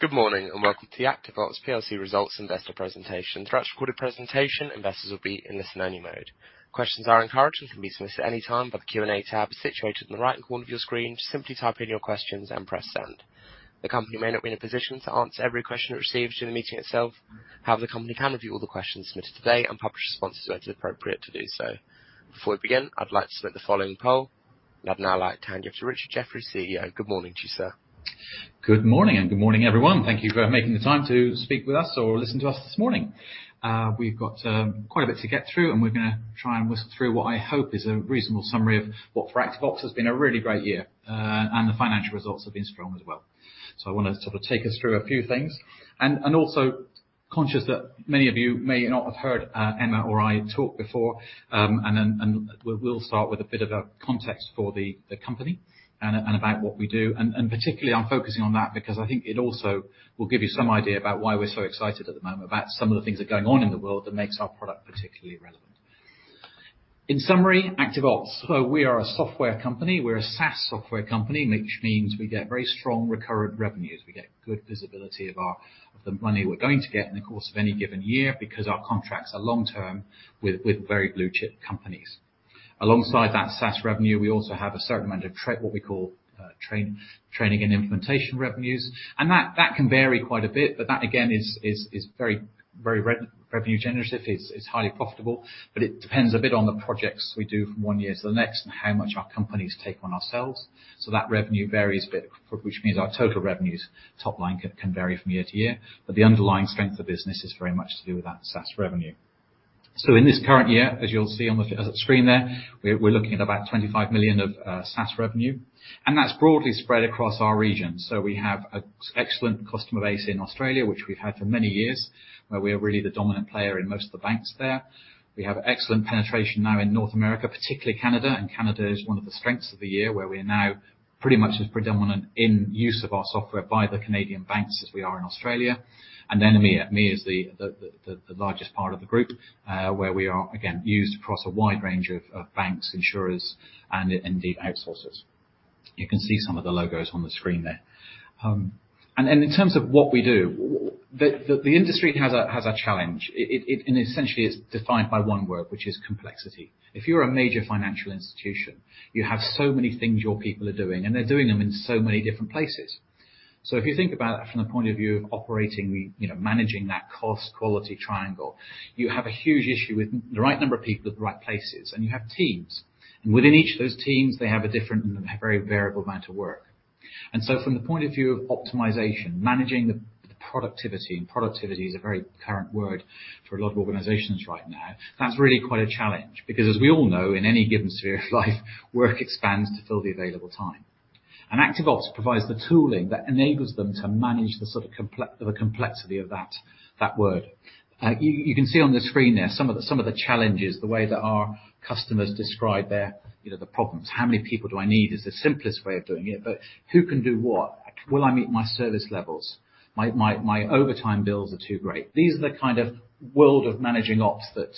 Good morning. Welcome to the ActiveOps plc Results Investor Presentation. Throughout the recorded presentation, investors will be in listen-only mode. Questions are encouraged and can be submitted at any time by the Q&A tab situated in the right corner of your screen. Simply type in your questions and press Send. The company may not be in a position to answer every question it receives during the meeting itself. The company can review all the questions submitted today and publish responses where it is appropriate to do so. Before we begin, I'd like to submit the following poll. I'd now like to hand you over to Richard Jeffery, CEO. Good morning to you, sir. Good morning, and good morning, everyone. Thank Thank you for making the time to speak with us or listen to us this morning. We've got quite a bit to get through, and we're gonna try and whistle through what I hope is a reasonable summary of what, for ActiveOps, has been a really great year, and the financial results have been strong as well. I want to sort of take us through a few things and also conscious that many of you may not have heard Emma or I talk before. Then, we'll start with a bit of a context for the company and about what we do. Particularly I'm focusing on that because I think it also will give you some idea about why we're so excited at the moment about some of the things that are going on in the world that makes our product particularly relevant. In summary, ActiveOps, we are a software company. We're a SaaS software company, which means we get very strong recurrent revenues. We get good visibility of the money we're going to get in the course of any given year, because our contracts are long-term with very blue-chip companies. Alongside that SaaS revenue, we also have a certain amount of what we call, training and implementation revenues, that can vary quite a bit, but that, again, is very, very revenue generative. It's highly profitable, but it depends a bit on the projects we do from one year to the next and how much our companies take on ourselves. That revenue varies a bit, which means our total revenues, top line, can vary from year to year, but the underlying strength of the business is very much to do with that SaaS revenue. In this current year, as you'll see on the screen there, we're looking at about 25 million of SaaS revenue, and that's broadly spread across our region. We have an excellent customer base in Australia, which we've had for many years, where we are really the dominant player in most of the banks there. We have excellent penetration now in North America, particularly Canada. Canada is 1 of the strengths of the year, where we are now pretty much as predominant in use of our software by the Canadian banks as we are in Australia. EMEA. EMEA is the largest part of the group, where we are again, used across a wide range of banks, insurers, and indeed, outsourcers. You can see some of the logos on the screen there. In terms of what we do, the industry has a challenge. Essentially, it's defined by one word, which is complexity. If you're a major financial institution, you have so many things your people are doing, and they're doing them in so many different places. If you think about it from the point of view of operating the, you know, managing that cost-quality triangle, you have a huge issue with the right number of people at the right places, and you have teams. Within each of those teams, they have a different and a very variable amount of work. From the point of view of optimization, managing the productivity, and productivity is a very current word for a lot of organizations right now. That's really quite a challenge because, as we all know, in any given sphere of life, work expands to fill the available time. ActiveOps provides the tooling that enables them to manage the sort of the complexity of that word. You can see on the screen there some of the challenges, the way that our customers describe their, you know, the problems. How many people do I need? Is the simplest way of doing it, but who can do what? Will I meet my service levels? My overtime bills are too great. These are the kind of world of managing ops that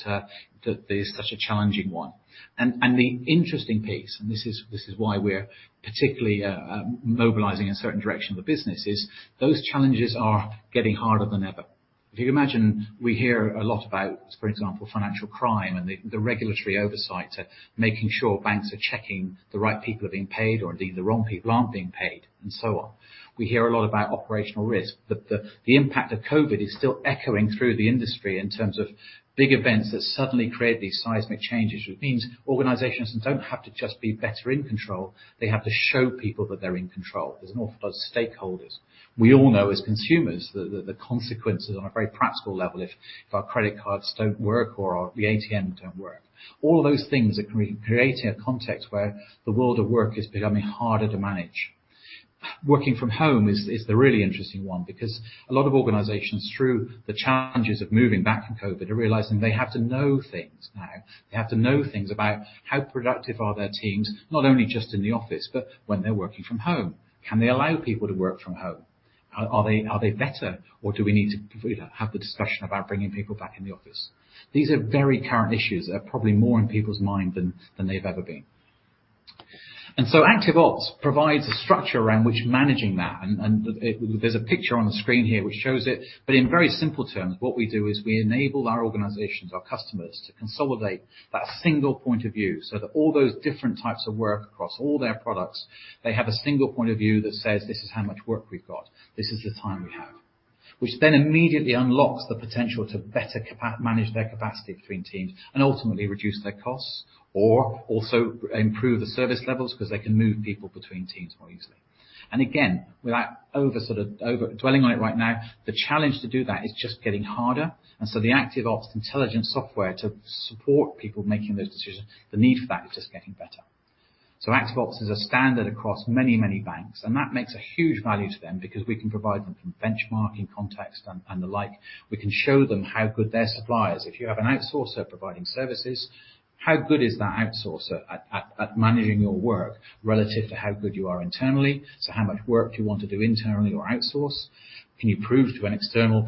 is such a challenging one. The interesting piece, and this is why we're particularly mobilizing a certain direction of the business, is those challenges are getting harder than ever. If you can imagine, we hear a lot about, for example, financial crime and the regulatory oversight to making sure banks are checking the right people are being paid, or indeed, the wrong people aren't being paid, and so on. We hear a lot about operational risk, but the impact of COVID is still echoing through the industry in terms of big events that suddenly create these seismic changes, which means organizations don't have to just be better in control. They have to show people that they're in control. There's an awful lot of stakeholders. We all know, as consumers, the consequences on a very practical level, if our credit cards don't work or our, the ATM don't work. All of those things are creating a context where the world of work is becoming harder to manage. Working from home is the really interesting one, because a lot of organizations, through the challenges of moving back from COVID, are realizing they have to know things now. They have to know things about how productive are their teams, not only just in the office, but when they're working from home. Can they allow people to work from home? Are they better, or do we need to have the discussion about bringing people back in the office? These are very current issues that are probably more in people's mind than they've ever been. ActiveOps provides a structure around which managing that, and there's a picture on the screen here which shows it, but in very simple terms, what we do is we enable our organizations, our customers, to consolidate that single point of view, so that all those different types of work across all their products, they have a single point of view that says: This is how much work we've got. This is the time we have. Immediately unlocks the potential to better manage their capacity between teams and ultimately reduce their costs, or also improve the service levels because they can move people between teams more easily. Again, without over dwelling on it right now, the challenge to do that is just getting harder, the ActiveOps intelligence software to support people making those decisions, the need for that is just getting better. ActiveOps is a standard across many banks, and that makes a huge value to them because we can provide them from benchmarking context and the like. We can show them how good their suppliers. If you have an outsourcer providing services, how good is that outsourcer at managing your work relative to how good you are internally? How much work do you want to do internally or outsource? Can you prove to an external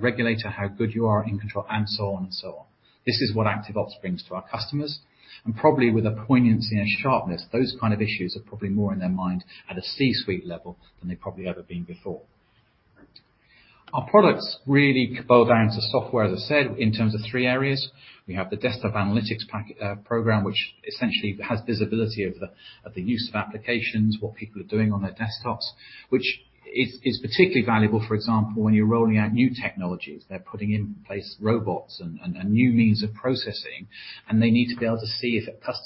regulator how good you are in control? So on and so on. This is what ActiveOps brings to our customers, and probably with a poignancy and sharpness, those kind of issues are probably more in their mind at a C-suite level than they've probably ever been before. Our products really boil down to software, as I said, in terms of three areas. We have the desktop analytics pack program, which essentially has visibility of the use of applications, what people are doing on their desktops, which is particularly valuable, for example, when you're rolling out new technologies. They're putting in place robots and new means of processing, and they need to be able to see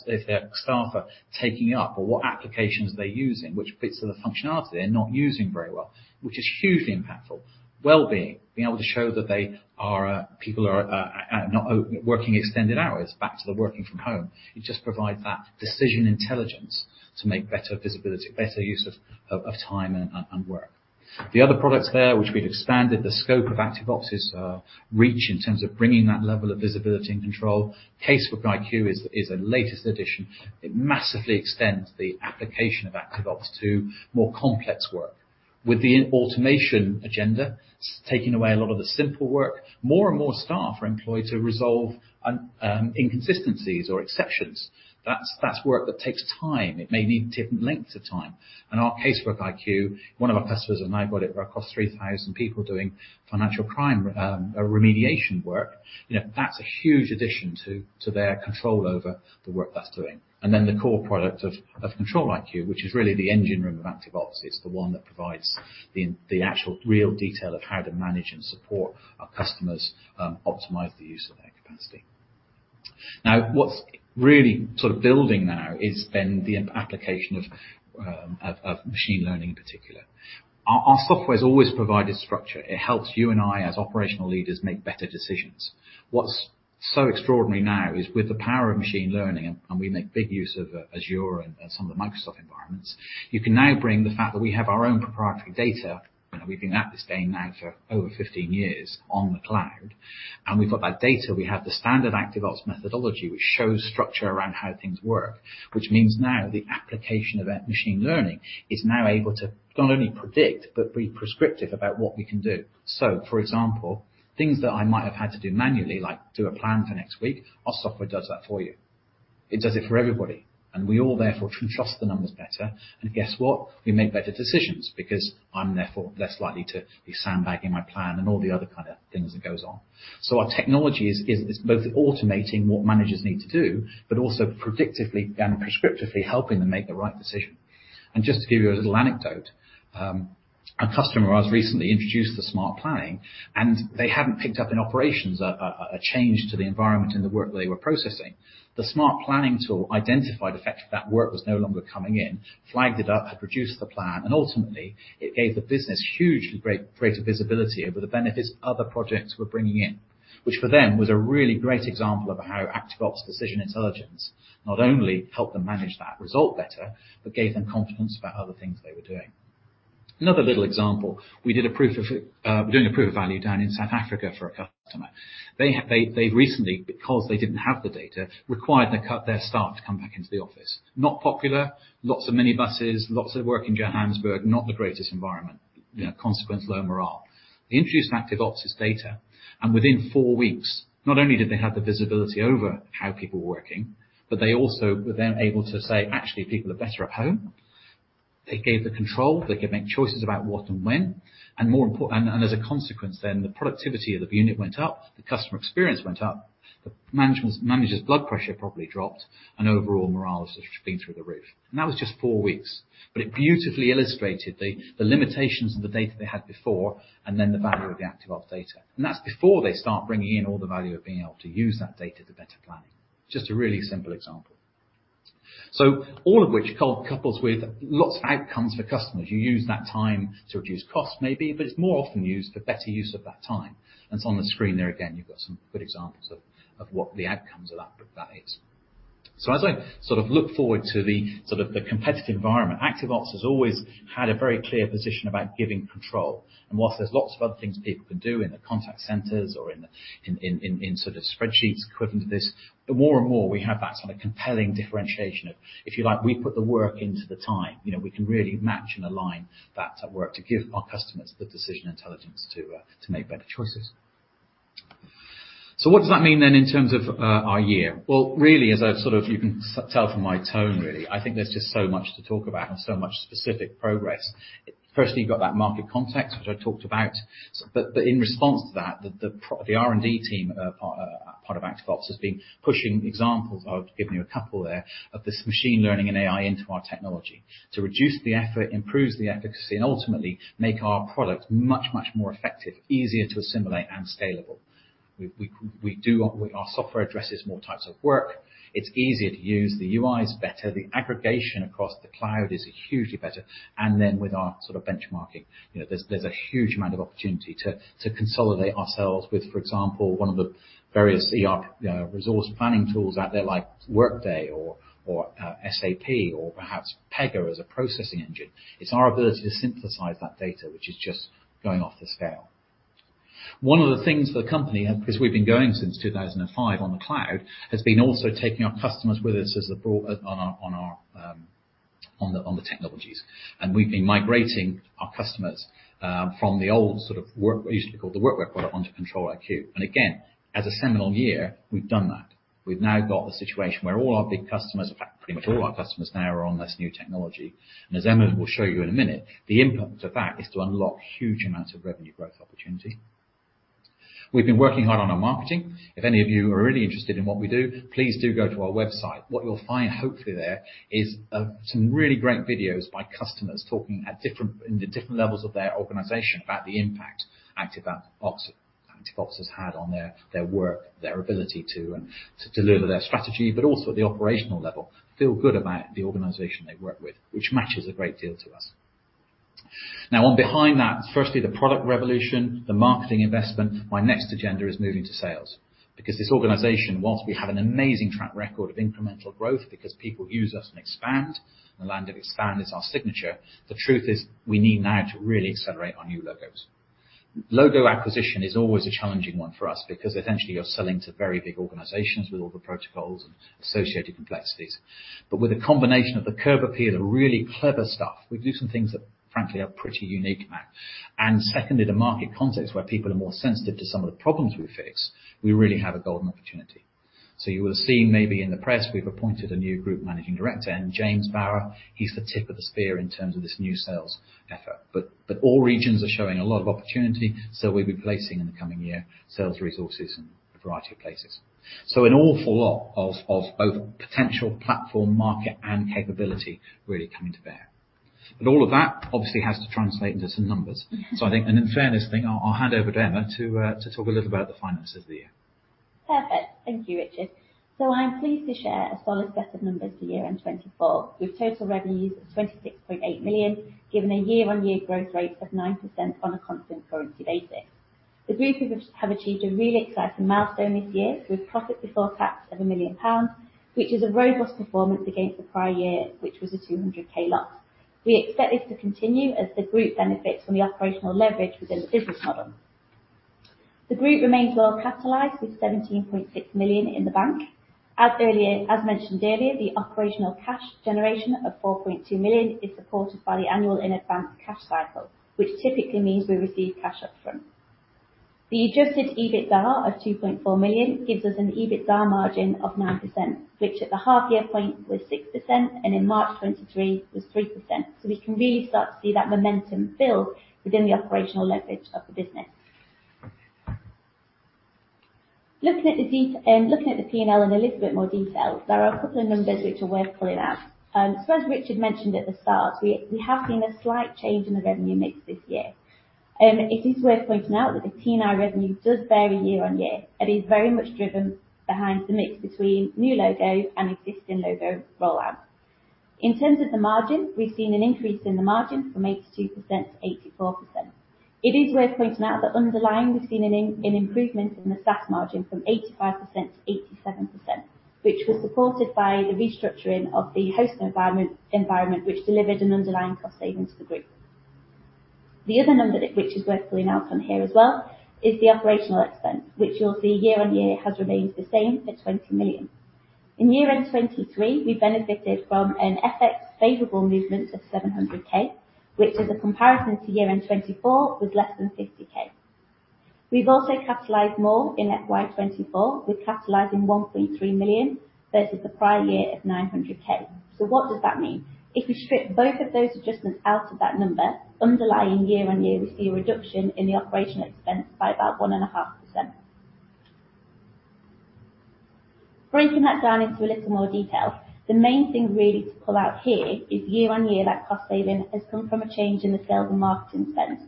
if their staff are taking up or what applications they're using, which bits of the functionality they're not using very well, which is hugely impactful. Wellbeing, being able to show that they are people are not working extended hours back to the working from home. It just provides that Decision Intelligence to make better visibility, better use of time and work. The other products there, which we've expanded the scope of ActiveOps' reach in terms of bringing that level of visibility and control. CaseworkiQ is the latest addition. It massively extends the application of ActiveOps to more complex work. With the automation agenda, it's taking away a lot of the simple work. More and more staff are employed to resolve an inconsistencies or exceptions. That's work that takes time. It may need different lengths of time. Our CaseworkiQ, one of our customers and I got it, where across 3,000 people doing financial crime remediation work, you know, that's a huge addition to their control over the work that's doing. The core product of ControliQ, which is really the engine room of ActiveOps. It's the one that provides the actual real detail of how to manage and support our customers optimize the use of their capacity. Now, what's really sort of building now is then the application of machine learning in particular. Our software's always provided structure. It helps you and I, as operational leaders, make better decisions. What's so extraordinary now is with the power of machine learning, and we make big use of Azure and some of the Microsoft environments, you can now bring the fact that we have our own proprietary data, and we've been at this game now for over 15 years on the cloud, and we've got that data. We have the standard ActiveOps methodology, which shows structure around how things work, which means now the application of that machine learning is now able to not only predict, but be prescriptive about what we can do. For example, things that I might have had to do manually, like do a plan for next week, our software does that for you. It does it for everybody, and we all therefore can trust the numbers better. Guess what? We make better decisions because I'm therefore less likely to be sandbagging my plan and all the other kind of things that goes on. Our technology is both automating what managers need to do, but also predictively and prescriptively helping them make the right decision. Just to give you a little anecdote, a customer of ours recently introduced the Smart Planning, and they hadn't picked up in operations a change to the environment and the work they were processing. The Smart Planning tool identified the fact that work was no longer coming in, flagged it up, had reduced the plan. Ultimately, it gave the business hugely greater visibility over the benefits other projects were bringing in, which for them, was a really great example of how ActiveOps Decision Intelligence not only helped them manage that result better, gave them confidence about other things they were doing. Another little example, we did a proof of, we're doing a proof of value down in South Africa for a customer. They recently, because they didn't have the data, required they cut their staff to come back into the office. Not popular, lots of minibuses, lots of work in Johannesburg, not the greatest environment, you know, consequence, low morale. They introduced ActiveOps' data. Within four weeks, not only did they have the visibility over how people were working, but they also were then able to say, "Actually, people are better at home." It gave the control, they could make choices about what and when, and more important... As a consequence, the productivity of the unit went up, the customer experience went up, the manager's blood pressure probably dropped, and overall morale has been through the roof. That was just four weeks, but it beautifully illustrated the limitations of the data they had before and the value of the ActiveOps data. That's before they start bringing in all the value of being able to use that data to better planning. Just a really simple example. All of which couples with lots of outcomes for customers. You use that time to reduce cost, maybe, but it's more often used for better use of that time. On the screen there, again, you've got some good examples of what the outcomes of that is. As I sort of look forward to the sort of the competitive environment, ActiveOps has always had a very clear position about giving control. Whilst there's lots of other things people can do in the contact centers or in the sort of spreadsheets equivalent to this, but more and more, we have that sort of compelling differentiation of, if you like, we put the work into the time, you know, we can really match and align that work to give our customers the Decision Intelligence to make better choices. What does that mean then, in terms of our year? Really, as I sort of... You can tell from my tone, really, I think there's just so much to talk about and so much specific progress. You've got that market context, which I talked about, but in response to that, the R&D team, part of ActiveOps, has been pushing examples. I've given you a couple there, of this machine learning and AI into our technology to reduce the effort, improves the efficacy, and ultimately make our products much more effective, easier to assimilate and scalable. Our software addresses more types of work. It's easier to use, the UI is better, the aggregation across the cloud is hugely better, then with our sort of benchmarking, you know, there's a huge amount of opportunity to consolidate ourselves with, for example, one of the various ERP resource planning tools out there, like Workday or SAP or perhaps Pega as a processing engine. It's our ability to synthesize that data, which is just going off the scale. One of the things the company, because we've been going since 2005 on the cloud, has been also taking our customers with us as a broad on our technologies. We've been migrating our customers from the old sort of Workware product onto Control IQ. Again, as a seminal year, we've done that. We've now got a situation where all our big customers, in fact, pretty much all our customers now are on this new technology. As Emma will show you in a minute, the impact of that is to unlock huge amounts of revenue growth opportunity. We've been working hard on our marketing. If any of you are really interested in what we do, please do go to our website. What you'll find, hopefully, there is some really great videos by customers talking at different, in the different levels of their organization about the impact ActiveOps has had on their work, their ability to deliver their strategy, but also at the operational level, feel good about the organization they work with, which matches a great deal to us. On behind that, firstly, the product revolution, the marketing investment, my next agenda is moving to sales, because this organization, while we have an amazing track record of incremental growth because people use us and expand, the land and expand is our signature, the truth is we need now to really accelerate our new logos. Logo acquisition is always a challenging one for us because essentially, you're selling to very big organizations with all the protocols and associated complexities. With a combination of the curb appeal, the really clever stuff, we do some things that frankly are pretty unique now. Secondly, the market context, where people are more sensitive to some of the problems we fix, we really have a golden opportunity. You will have seen maybe in the press, we've appointed a new group managing director, and James Barr, he's the tip of the spear in terms of this new sales effort. All regions are showing a lot of opportunity. We'll be placing in the coming year, sales resources in a variety of places. An awful lot of both potential platform, market, and capability really coming to bear. All of that obviously has to translate into some numbers. I think, in fairness, I'll hand over to Emma to talk a little about the finances of the year. Perfect. Thank you, Richard. I'm pleased to share a solid set of numbers for year end 2024, with total revenues of 26.8 million, giving a year-on-year growth rate of 9% on a constant currency basis. The group have achieved a really exciting milestone this year with profit before tax of 1 million pounds, which is a robust performance against the prior year, which was a 200K loss. We expect this to continue as the group benefits from the operational leverage within the business model. The group remains well capitalized, with 17.6 million in the bank. As mentioned earlier, the operational cash generation of 4.2 million is supported by the annual in advance cash cycle, which typically means we receive cash up front. The adjusted EBITDA of 2.4 million gives us an EBITDA margin of 9%, which at the half year point was 6%, and in March 2023 was 3%. We can really start to see that momentum build within the operational leverage of the business. Looking at the P&L in a little bit more detail, there are a couple of numbers which are worth pulling out. As Richard mentioned at the start, we have seen a slight change in the revenue mix this year. It is worth pointing out that the P&L revenue does vary year-on-year. It is very much driven behind the mix between new logo and existing logo rollout. In terms of the margin, we've seen an increase in the margin from 82% to 84%. It is worth pointing out that underlying, we've seen an improvement in the SaaS margin from 85% to 87%, which was supported by the restructuring of the hosting environment, which delivered an underlying cost saving to the group. The other number that, which is worth pulling out on here as well, is the operational expense, which you'll see year-on-year has remained the same at 20 million. In year end 2023, we benefited from an FX favorable movement of 700K, which as a comparison to year end 2024, was less than 50K. We've also capitalized more in FY 2024, with capitalizing 1.3 million versus the prior year of 900K. What does that mean? If we strip both of those adjustments out of that number, underlying year-over-year, we see a reduction in the OpEx by about 1.5%. Breaking that down into a little more detail, the main thing really to pull out here is year-over-year, that cost saving has come from a change in the sales and marketing spend.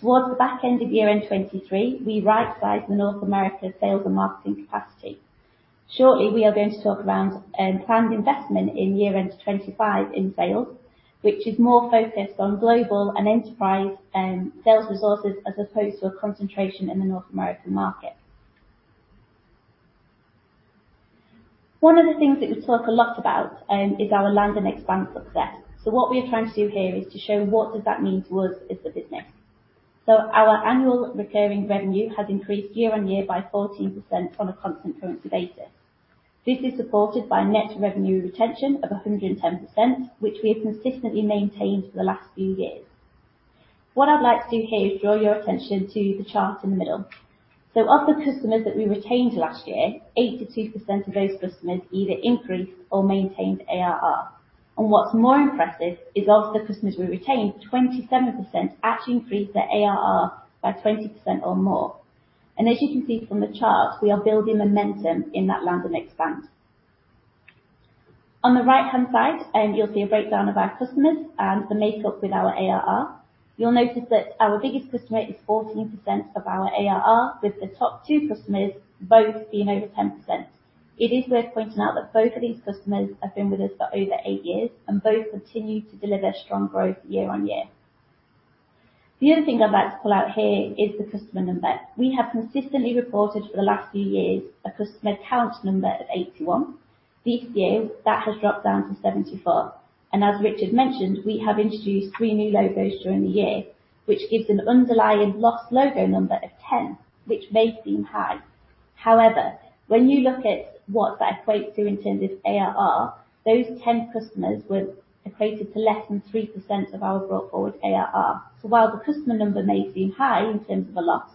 Towards the back end of year end 2023, we rightsized the North America sales and marketing capacity. Shortly, we are going to talk around planned investment in year end 2025 in sales, which is more focused on global and enterprise sales resources, as opposed to a concentration in the North American market. One of the things that we talk a lot about is our land and expand success. What we are trying to do here is to show what does that mean to us as the business. Our annual recurring revenue has increased year-on-year by 14% on a constant currency basis. This is supported by net revenue retention of 110%, which we have consistently maintained for the last few years. What I'd like to do here is draw your attention to the chart in the middle. Of the customers that we retained last year, 82% of those customers either increased or maintained ARR. What's more impressive is of the customers we retained, 27% actually increased their ARR by 20% or more. As you can see from the chart, we are building momentum in that land and expand. On the right-hand side, you'll see a breakdown of our customers and the makeup with our ARR. You'll notice that our biggest customer is 14% of our ARR, with the top two customers both being over 10%. It is worth pointing out that both of these customers have been with us for over eight years, and both continue to deliver strong growth year-on-year. The other thing I'd like to pull out here is the customer number. We have consistently reported for the last few years a customer count number of 81. This year, that has dropped down to 74, and as Richard mentioned, we have introduced three new logos during the year, which gives an underlying lost logo number of 10, which may seem high. When you look at what that equates to in terms of ARR, those 10 customers were equated to less than 3% of our brought forward ARR. While the customer number may seem high in terms of a loss,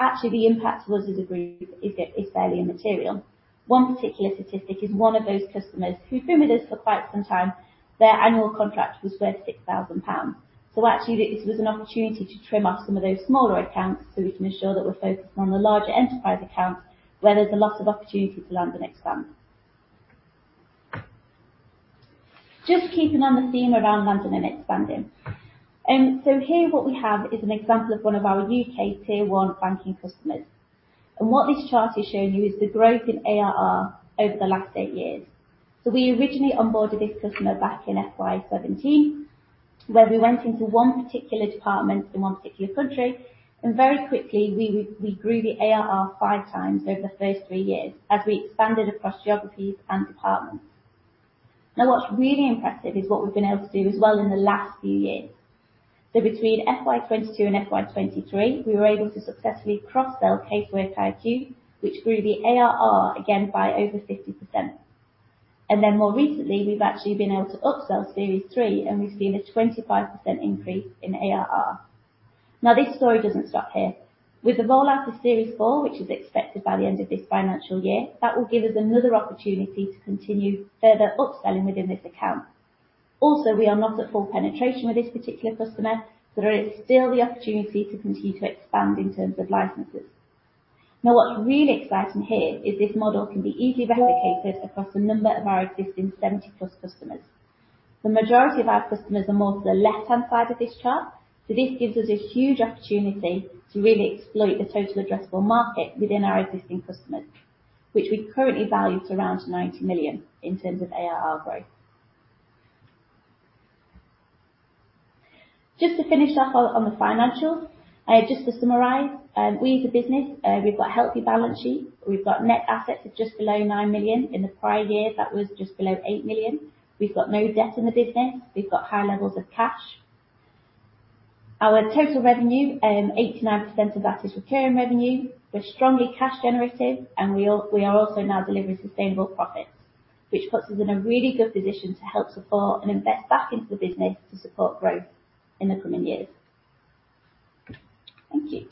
actually the impact to us as a group is fairly immaterial. One particular statistic is one of those customers who've been with us for quite some time, their annual contract was worth 6,000 pounds. Actually, this was an opportunity to trim off some of those smaller accounts so we can ensure that we're focusing on the larger enterprise accounts, where there's a lot of opportunity to land and expand. Just keeping on the theme around land and expand. Here what we have is an example of one of our UK tier-one banking customers, and what this chart is showing you is the growth in ARR over the last eight years. We originally onboarded this customer back in FY 2017, where we went into one particular department in one particular country, and very quickly, we grew the ARR five times over the first three years as we expanded across geographies and departments. What's really impressive is what we've been able to do as well in the last few years. Between FY 2022 and FY 2023, we were able to successfully cross-sell CaseworkiQ, which grew the ARR again by over 50%. More recently, we've actually been able to upsell Series three, and we've seen a 25% increase in ARR. This story doesn't stop here. With the rollout of Series 4.0, which is expected by the end of this financial year, that will give us another opportunity to continue further upselling within this account. We are not at full penetration with this particular customer, so there is still the opportunity to continue to expand in terms of licenses. What's really exciting here is this model can be easily replicated across a number of our existing 70-plus customers. The majority of our customers are more to the left-hand side of this chart, so this gives us a huge opportunity to really exploit the total addressable market within our existing customers, which we currently value to around 90 million in terms of ARR growth. Just to finish off on the financials. Just to summarize, we as a business, we've got a healthy balance sheet. We've got net assets of just below 9 million. In the prior year, that was just below 8 million. We've got no debt in the business. We've got high levels of cash. Our total revenue, 89% of that is recurring revenue. We're strongly cash generative, and We are also now delivering sustainable profits, which puts us in a really good position to help support and invest back into the business to support growth in the coming years. Thank you.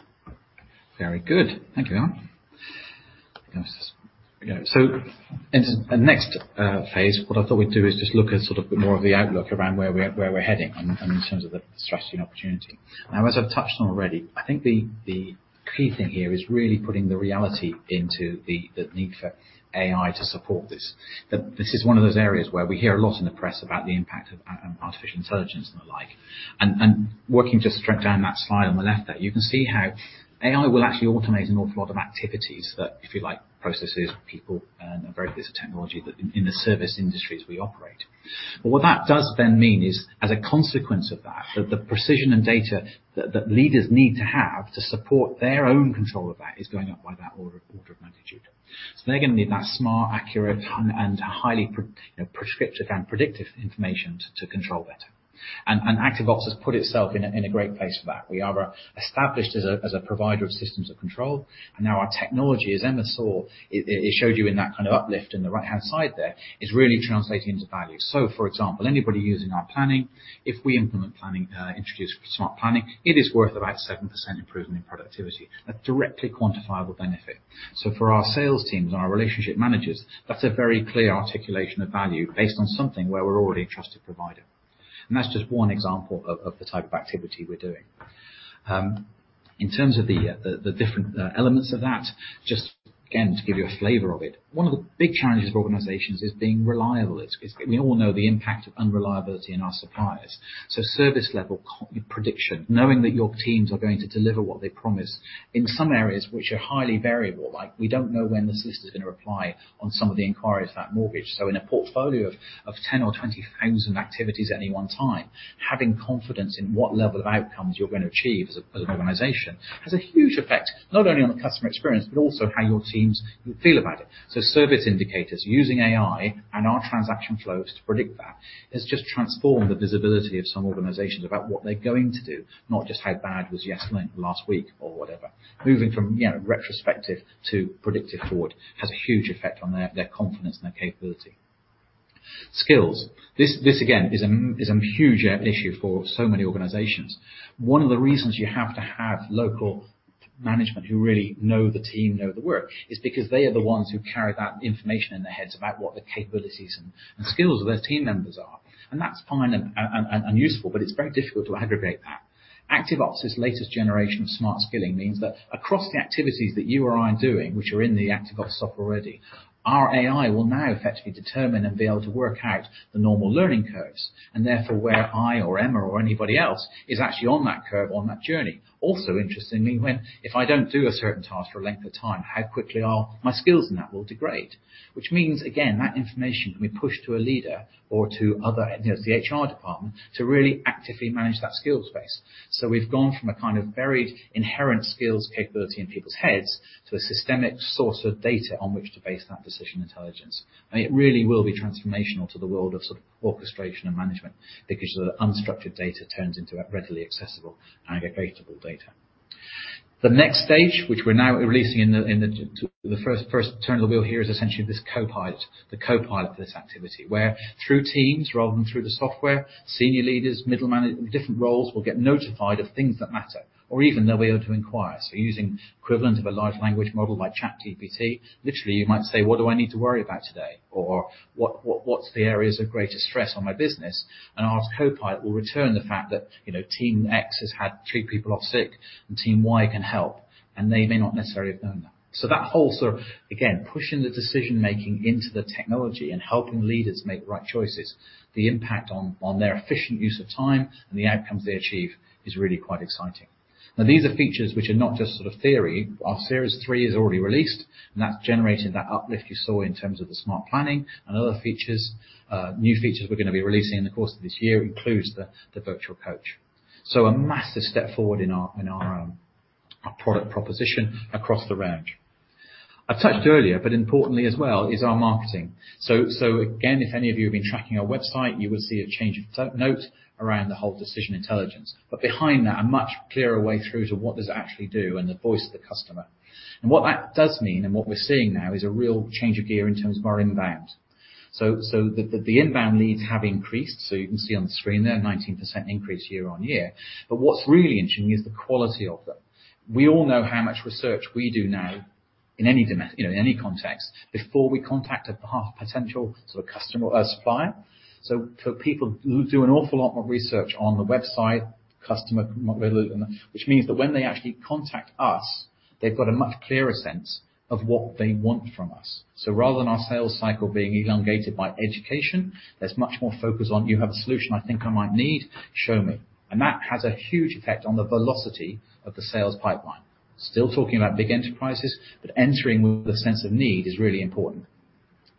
Very good. Thank you, Emma. Yes. In the next, phase, what I thought we'd do is just look at sort of more of the outlook around where we're, where we're heading in terms of the strategy and opportunity. As I've touched on already, I think the key thing here is really putting the reality into the need for AI to support this. That this is one of those areas where we hear a lot in the press about the impact of, artificial intelligence and the like. Working just straight down that slide on the left there, you can see how AI will actually automate an awful lot of activities that, if you like, processes, people, and various technology that in the service industries we operate. What that does then mean is, as a consequence of that the precision and data that leaders need to have to support their own control of that is going up by that order of magnitude. They're going to need that smart, accurate, and highly prescriptive and predictive information to control better. ActiveOps has put itself in a great place for that. We are established as a provider of systems of control, and now our technology, as Emma saw, it showed you in that kind of uplift in the right-hand side there, is really translating into value. For example, anybody using our planning, if we implement planning, introduce Smart Planning, it is worth about 7% improvement in productivity, a directly quantifiable benefit. For our sales teams and our relationship managers, that's a very clear articulation of value based on something where we're already a trusted provider. That's just one example of the type of activity we're doing. In terms of the different elements of that, just again, to give you a flavor of it, one of the big challenges for organizations is being reliable. We all know the impact of unreliability in our suppliers. Service level co- prediction, knowing that your teams are going to deliver what they promise in some areas which are highly variable, like we don't know when the solicitor is going to reply on some of the inquiries for that mortgage. In a portfolio of 10 or 20,000 activities at any one time, having confidence in what level of outcomes you're going to achieve as an organization, has a huge effect, not only on the customer experience, but also how your teams feel about it. Service indicators, using AI and our transaction flows to predict that, has just transformed the visibility of some organizations about what they're going to do, not just how bad was yesterday, last week or whatever. Moving from, you know, retrospective to predictive forward, has a huge effect on their confidence and their capability. Skills. This again, is a huge issue for so many organizations. One of the reasons you have to have local management who really know the team, know the work, is because they are the ones who carry that information in their heads about what the capabilities and skills of their team members are. That's fine and useful, but it's very difficult to aggregate that. ActiveOps' latest generation of Smart Skills means that across the activities that you or I are doing, which are in the ActiveOps software already, our AI will now effectively determine and be able to work out the normal learning curves, and therefore, where I or Emma or anybody else is actually on that curve, on that journey. Interestingly, when if I don't do a certain task for a length of time, how quickly are my skills in that will degrade? means, again, that information can be pushed to a leader or to other, you know, the HR department to really actively manage that skills base. We've gone from a kind of very inherent skills capability in people's heads, to a systemic source of data on which to base that Decision Intelligence. It really will be transformational to the world of sort of orchestration and management, because the unstructured data turns into a readily accessible aggregatable data. The next stage, which we're now releasing in the, in the, to the first turn of the wheel here, is essentially this Copilot, this activity, where through Teams rather than through the software, senior leaders, different roles will get notified of things that matter or even they'll be able to inquire. Using equivalent of a large language model like ChatGPT, literally, you might say, "What do I need to worry about today?" Or, "What's the areas of greatest stress on my business?" ask Copilot will return the fact that, you know, Team X has had three people off sick, and Team Y can help, and they may not necessarily have known that. That whole sort of, again, pushing the decision-making into the technology and helping leaders make the right choices, the impact on their efficient use of time and the outcomes they achieve is really quite exciting. These are features which are not just sort of theory. Our Series three is already released, and that's generated that uplift you saw in terms of the Smart Planning and other features. New features we're gonna be releasing in the course of this year includes the Virtual Coach. A massive step forward in our product proposition across the range. I touched earlier, but importantly as well, is our marketing. Again, if any of you have been tracking our website, you will see a change of note around the whole Decision Intelligence, but behind that, a much clearer way through to what does it actually do and the voice of the customer. What that does mean, and what we're seeing now, is a real change of gear in terms of our inbound. The inbound leads have increased, so you can see on the screen there, 19% increase year-over-year. What's really interesting is the quality of them. We all know how much research we do now in any you know, in any context, before we contact a potential sort of customer or a supplier. For people who do an awful lot more research on the website, customer, which means that when they actually contact us, they've got a much clearer sense of what they want from us. Rather than our sales cycle being elongated by education, there's much more focus on, "You have a solution I think I might need, show me." That has a huge effect on the velocity of the sales pipeline. Still talking about big enterprises, entering with a sense of need is really important.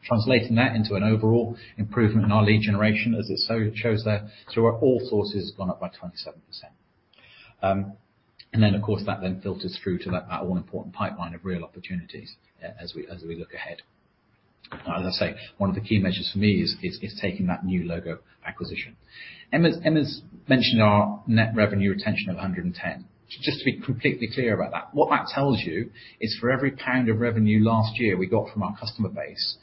Translating that into an overall improvement in our lead generation, as it so shows there, through our all sources, has gone up by 27%. Of course, that then filters through to that 1 important pipeline of real opportunities as we look ahead. As I say, 1 of the key measures for me is taking that new logo acquisition. Emma's mentioned our net revenue retention of 110%. Just to be completely clear about that, what that tells you is for every GBP of revenue last year we got from our customer base,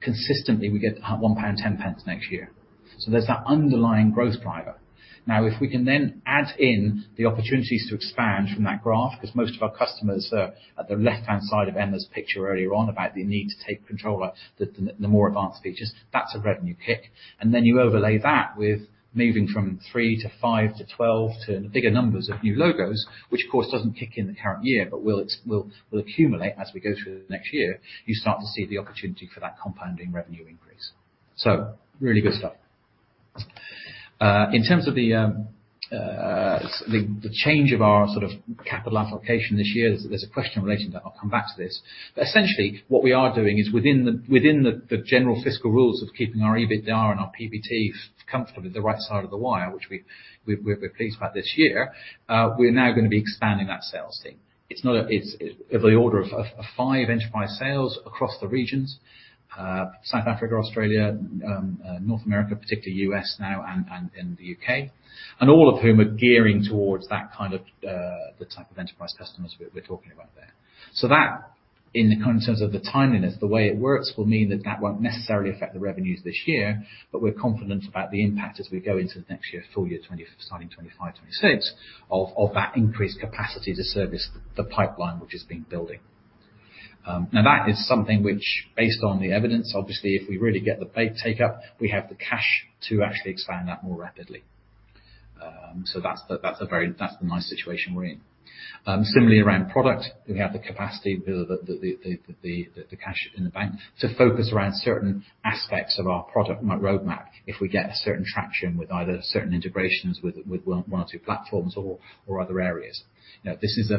consistently, we get 1.10 pound next year. There's that underlying growth driver. If we can then add in the opportunities to expand from that graph, because most of our customers are at the left-hand side of Emma's picture earlier on about the need to take control of the more advanced features, that's a revenue kick. You overlay that with moving from 3 to 5 to 12 to bigger numbers of new logos, which of course, doesn't kick in the current year, but will accumulate as we go through the next year, you start to see the opportunity for that compounding revenue increase. Really good stuff. In terms of the change of our sort of capital allocation this year, there's a question relating to that, I'll come back to this. Essentially, what we are doing is within the general fiscal rules of keeping our EBITDA and our PBT comfortably the right side of the wire, which we're pleased about this year, we're now going to be expanding that sales team. It's not a... It's of the order of 5 enterprise sales across the regions, South Africa, Australia, North America, particularly U.S. now and the U.K., and all of whom are gearing towards that kind of the type of enterprise customers we're talking about there. That in the current terms of the timeliness, the way it works will mean that that won't necessarily affect the revenues this year, but we're confident about the impact as we go into the next year, full year, starting 2025, 2026, of that increased capacity to service the pipeline, which has been building. Now, that is something which, based on the evidence, obviously, if we really get the bait take up, we have the cash to actually expand that more rapidly. That's the, that's a very nice situation we're in. Similarly, around product, we have the capacity, the cash in the bank to focus around certain aspects of our product roadmap, if we get a certain traction with either certain integrations, with one or two platforms or other areas. This is a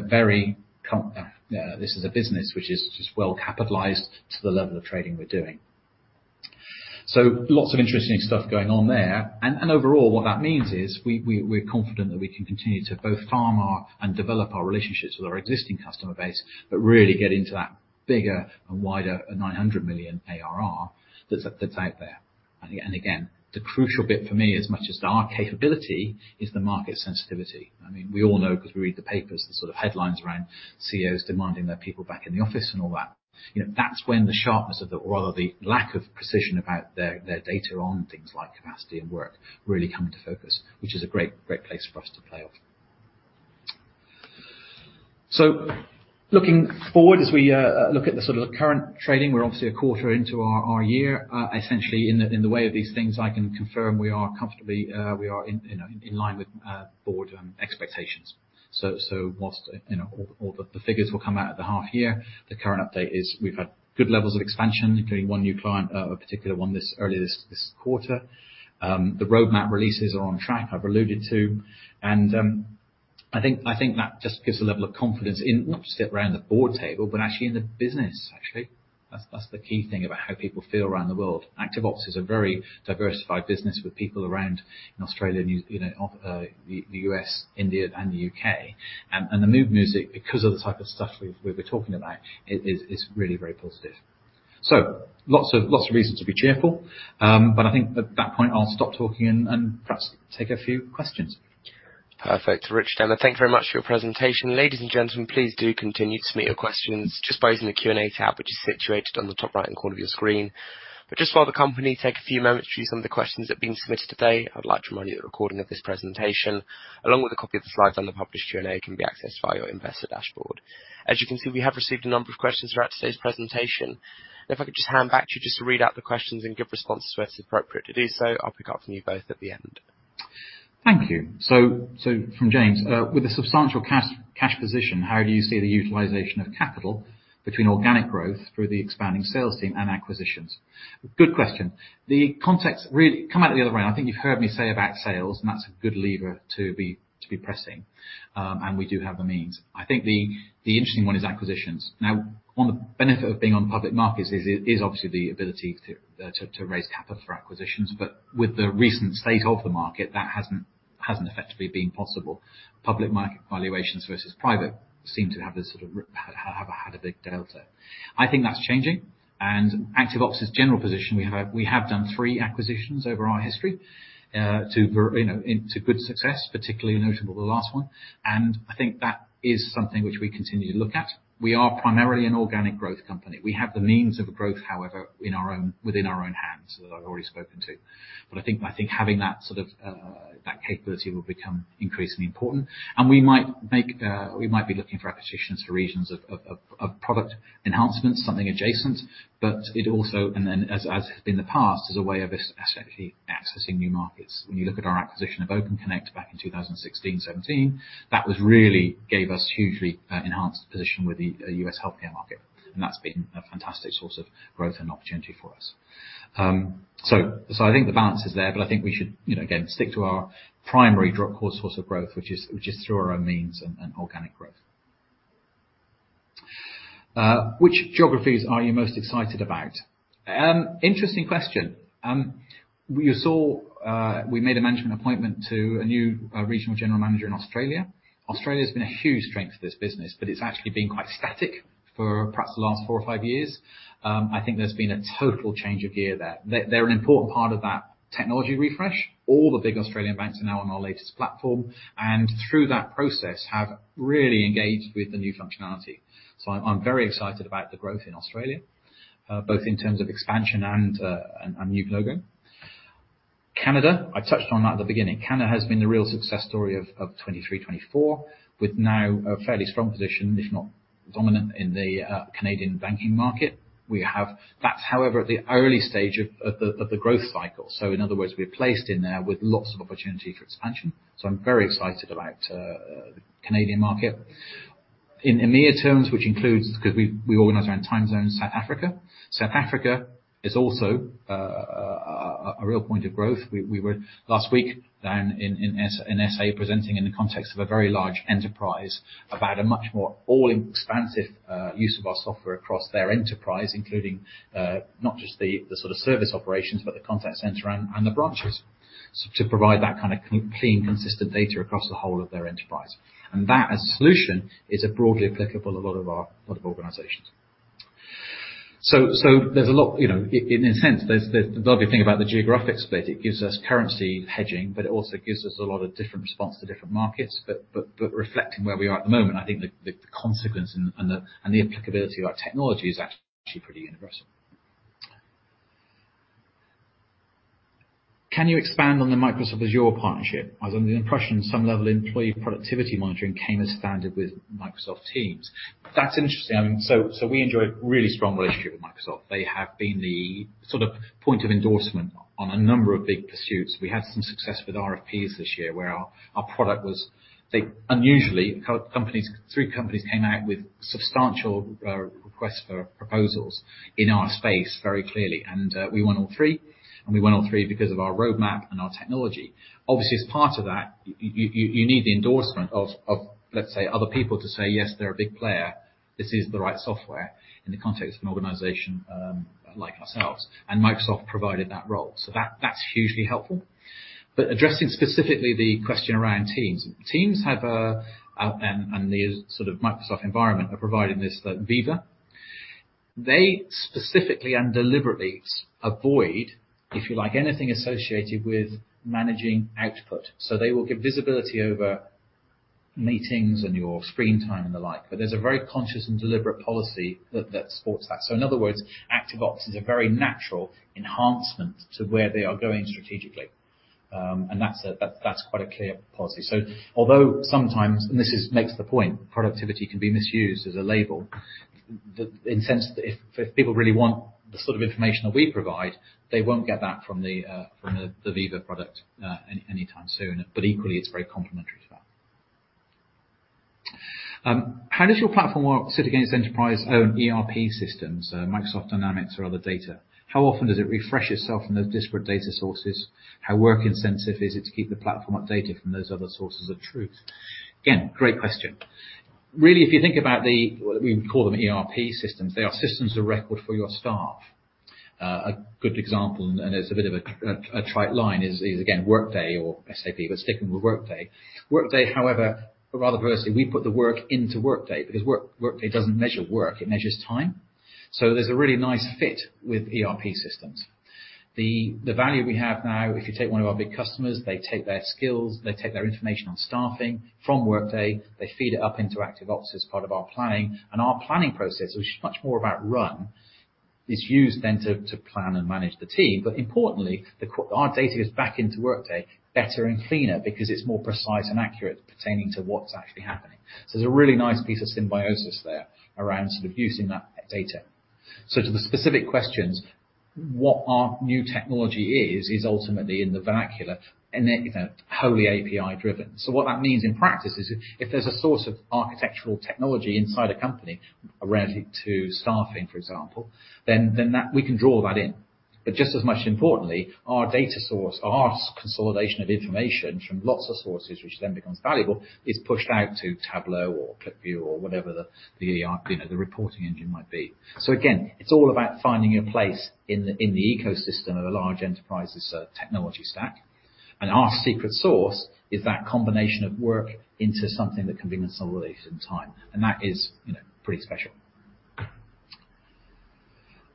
business which is just well capitalized to the level of trading we're doing. Lots of interesting stuff going on there. Overall, what that means is we're confident that we can continue to both farm our and develop our relationships with our existing customer base, but really get into that bigger and wider, 900 million ARR that's out there. Again, the crucial bit for me, as much as our capability, is the market sensitivity. I mean, we all know, 'cause we read the papers, the sort of headlines around CEOs demanding their people back in the office and all that. You know, that's when the sharpness of the or rather, the lack of precision about their data on things like capacity and work, really come into focus, which is a great place for us to play off. Looking forward, as we look at the sort of current trading, we're obviously a quarter into our year. Essentially, in the way of these things, I can confirm we are comfortably, we are in, you know, in line with board expectations. Whilst, you know, all the figures will come out at the half year, the current update is we've had good levels of expansion, including one new client, a particular one earlier this quarter. The roadmap releases are on track, I've alluded to. I think that just gives a level of confidence in, not just around the board table, but actually in the business, actually. That's the key thing about how people feel around the world. ActiveOps is a very diversified business with people around in Australia, you know, the US, India, and the UK. And the mood music, because of the type of stuff we've been talking about, is really very positive. Lots of reasons to be cheerful. I think at that point, I'll stop talking and perhaps take a few questions. Perfect. Rich and Emma, thank you very much for your presentation. Ladies and gentlemen, please do continue to submit your questions just by using the Q&A tab, which is situated on the top right-hand corner of your screen. Just while the company take a few moments to view some of the questions that have been submitted today, I'd like to remind you that a recording of this presentation, along with a copy of the slides on the published Q&A, can be accessed via your investor dashboard. As you can see, we have received a number of questions throughout today's presentation. If I could just hand back to you just to read out the questions and give responses to it, if appropriate, to do so. I'll pick up from you both at the end. Thank you. From James, "With a substantial cash position, how do you see the utilization of capital between organic growth through the expanding sales team and acquisitions?" Good question. The context come out the other way around. I think you've heard me say about sales, that's a good lever to be pressing. We do have the means. I think the interesting one is acquisitions. One of the benefit of being on public markets is obviously the ability to raise capital for acquisitions, with the recent state of the market, that hasn't effectively been possible. Public market valuations versus private seem to have had a big delta. I think that's changing, and ActiveOps' general position, we have done 3 acquisitions over our history, you know, to good success, particularly notable the last one. I think that is something which we continue to look at. We are primarily an organic growth company. We have the means of growth, however, within our own hands, that I've already spoken to. I think having that sort of, that capability will become increasingly important. We might make, we might be looking for acquisitions for reasons of product enhancements, something adjacent. It also. As in the past, as a way of essentially accessing new markets. When you look at our acquisition of OpenConnect back in 2016, 2017, that was really gave us hugely enhanced position with the US healthcare market, and that's been a fantastic source of growth and opportunity for us. I think the balance is there, but I think we should, you know, again, stick to our primary drop core source of growth, which is through our own means and organic growth. Which geographies are you most excited about? Interesting question. You saw we made a management appointment to a new regional general manager in Australia. Australia has been a huge strength to this business, but it's actually been quite static for perhaps the last 4 or 5 years. I think there's been a total change of gear there. They're an important part of that technology refresh. All the big Australian banks are now on our latest platform, and through that process, have really engaged with the new functionality. I'm very excited about the growth in Australia, both in terms of expansion and new program. Canada, I touched on that at the beginning. Canada has been the real success story of 2023, 2024, with now a fairly strong position, if not dominant, in the Canadian banking market. That's, however, at the early stage of the growth cycle. In other words, we're placed in there with lots of opportunity for expansion. I'm very excited about the Canadian market. In EMEA terms, which includes, because we organize around time zones, South Africa. South Africa is also a real point of growth. We were, last week, down in SA, presenting in the context of a very large enterprise about a much more all expansive use of our software across their enterprise, including not just the sort of service operations, but the contact center and the branches, so to provide that kind of clean, consistent data across the whole of their enterprise. That, as a solution, is broadly applicable to a lot of our organizations. There's a lot, you know, in a sense... The lovely thing about the geographic split, it gives us currency hedging, but it also gives us a lot of different response to different markets. Reflecting where we are at the moment, I think the consequence and the applicability of our technology is actually pretty universal. Can you expand on the Microsoft Azure partnership? I was under the impression some level employee productivity monitoring came as standard with Microsoft Teams. That's interesting. I mean, we enjoy a really strong relationship with Microsoft. They have been the sort of point of endorsement on a number of big pursuits. We had some success with RFPs this year, where our product was. They unusually, 3 companies came out with substantial requests for proposals in our space very clearly, and we won all 3. We won all 3 because of our roadmap and our technology. Obviously, as part of that, you need the endorsement of, let's say, other people to say, "Yes, they're a big player. This is the right software," in the context of an organization like ourselves. Microsoft provided that role, so that's hugely helpful. Addressing specifically the question around Teams. Teams, and the sort of Microsoft environment are providing this Viva. They specifically and deliberately avoid, if you like, anything associated with managing output. They will give visibility over meetings and your screen time and the like, but there's a very conscious and deliberate policy that supports that. And that's quite a clear policy. Although sometimes, and this makes the point, productivity can be misused as a label, in sense, if people really want the sort of information that we provide, they won't get that from the Viva product anytime soon. equally, it's very complementary to that. "How does your platform work sit against enterprise-owned ERP systems, Microsoft Dynamics or other data? How often does it refresh itself from those disparate data sources? How work intensive is it to keep the platform updated from those other sources of truth?" Again, great question. Really, if you think about the, well, we would call them ERP systems, they are systems of record for your staff. A good example, and it's a bit of a trite line, is again, Workday or SAP, but sticking with Workday. Workday, however, rather conversely, we put the work into Workday because Workday doesn't measure work, it measures time. There's a really nice fit with ERP systems. The value we have now, if you take one of our big customers, they take their skills, they take their information on staffing from Workday, they feed it up into ActiveOps as part of our planning, our planning process, which is much more about run, is used then to plan and manage the team. Importantly, our data goes back into Workday better and cleaner because it's more precise and accurate pertaining to what's actually happening. There's a really nice piece of symbiosis there around sort of using that data. To the specific questions, what our new technology is ultimately in the vernacular, and then, you know, wholly API driven. What that means in practice is if there's a source of architectural technology inside a company related to staffing, for example, We can draw that in. Just as much importantly, our data source, our consolidation of information from lots of sources, which then becomes valuable, is pushed out to Tableau or QlikView or whatever the, you know, the reporting engine might be. Again, it's all about finding a place in the ecosystem of a large enterprise's technology stack. Our secret source is that combination of work into something that can be consolidated in time, and that is, you know, pretty special.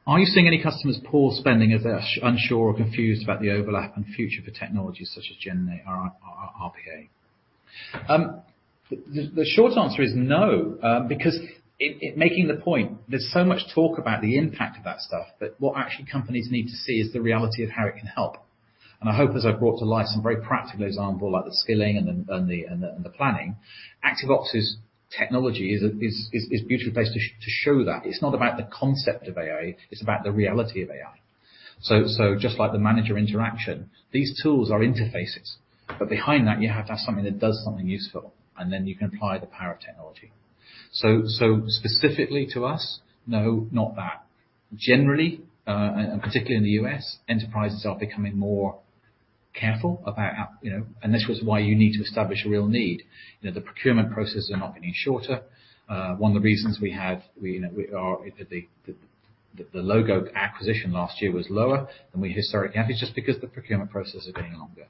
Are you seeing any customers pause spending as they're unsure or confused about the overlap and future for technologies such as GenAI or RPA? The short answer is no, because making the point, there's so much talk about the impact of that stuff, but what actually companies need to see is the reality of how it can help. I hope, as I've brought to light some very practical examples, like the skilling and the planning, ActiveOps' technology is beautifully placed to show that. It's not about the concept of AI, it's about the reality of AI. Just like the manager interaction, these tools are interfaces, but behind that, you have to have something that does something useful, and then you can apply the power of technology. Specifically to us, no, not that. Generally, particularly in the U.S., enterprises are becoming more careful about how. You know, this was why you need to establish a real need. You know, the procurement processes are not getting shorter. One of the reasons you know, Logo acquisition last year was lower than we historically have, is just because the procurement process is getting longer.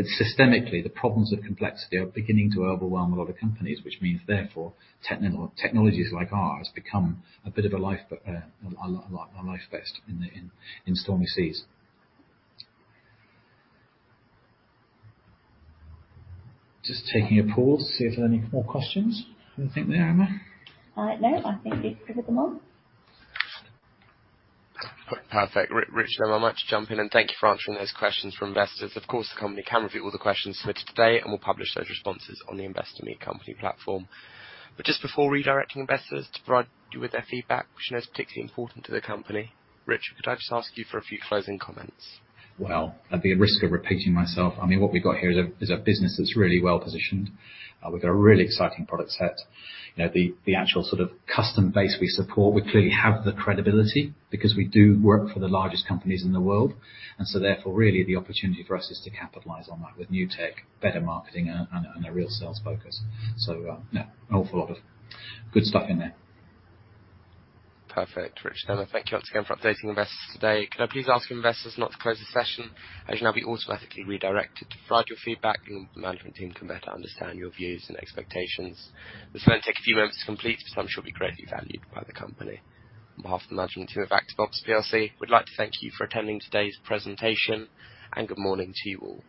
Systemically, the problems of complexity are beginning to overwhelm a lot of companies, which means therefore, technologies like ours become a bit of a life vest in the stormy seas. Just taking a pause to see if there are any more questions. Anything there, Emma? No, I think we've covered them all. Perfect. Richard, I'd like to jump in, and thank you for answering those questions from investors. Of course, the company can review all the questions submitted today, and we'll publish those responses on the Investor Meet Company platform. But just before redirecting investors to provide you with their feedback, which I know is particularly important to the company, Richard, could I just ask you for a few closing comments? Well, at the risk of repeating myself, I mean, what we've got here is a business that's really well positioned. We've got a really exciting product set. You know, the actual sort of customer base we support, we clearly have the credibility because we do work for the largest companies in the world, therefore, really the opportunity for us is to capitalize on that with new tech, better marketing, and a real sales focus. Yeah, an awful lot of good stuff in there. Perfect, Richard, Emma, thank you once again for updating investors today. Can I please ask investors not to close the session, as you'll now be automatically redirected to provide your feedback so the management team can better understand your views and expectations. This will only take a few moments to complete, but I'm sure will be greatly valued by the company. On behalf of the management team of ActiveOps plc, we'd like to thank you for attending today's presentation, and good morning to you all.